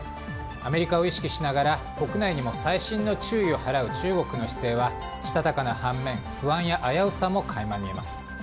アメリカを意識しながら国内にも細心の注意を払う中国の姿勢はしたたかな反面不安や危うさも垣間見えます。